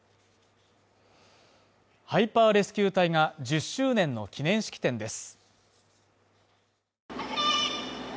ハイパーレスキュー隊が、１０周年の記念式典です。